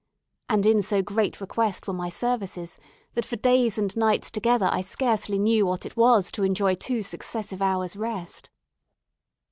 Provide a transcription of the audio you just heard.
And in so great request were my services, that for days and nights together I scarcely knew what it was to enjoy two successive hours' rest.